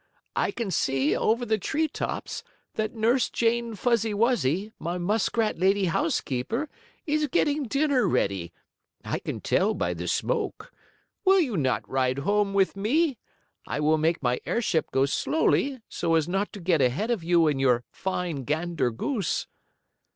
I can see, over the tree tops, that Nurse Jane Fuzzy Wuzzy, my muskrat lady housekeeper, is getting dinner ready. I can tell by the smoke. Will you not ride home with me? I will make my airship go slowly, so as not to get ahead of you and your fine gander goose."